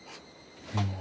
うん。